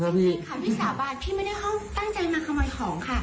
พี่สาบาลพี่ไม่ได้เข้าตั้งใจมาขโมยของค่ะ